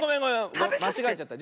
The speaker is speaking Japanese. まちがえちゃった。